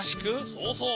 そうそう！